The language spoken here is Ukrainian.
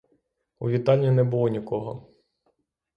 У вітальні не було нікого.